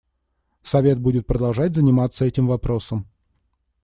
Совет будет продолжать заниматься этим вопросом.